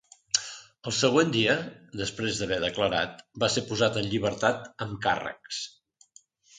El següent dia, després d'haver declarat, va ser posat en llibertat amb càrrecs.